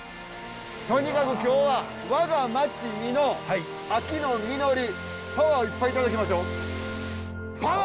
とにかく今日は我が町箕面秋の実りパワーいっぱいいただきましょう。